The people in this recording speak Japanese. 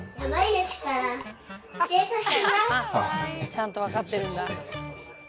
ちゃんと分かってるんだ。